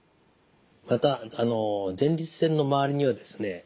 また前立腺の周りにはですね